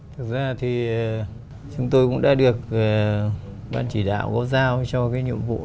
thực ra thì chúng tôi cũng đã được ban chỉ đạo góp giao cho cái nhiệm vụ là